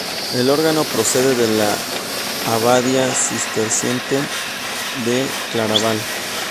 El órgano procede de la Abadía Cisterciense de Claraval.